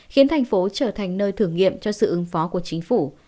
khiến thành phố trở thành nơi thử nghiệm cho sự ứng phó của chính phủ